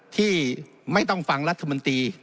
ที่ไม่ต้องฟังรัฐมนตรี